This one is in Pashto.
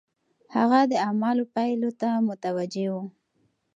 هغه د اعمالو پايلو ته متوجه و.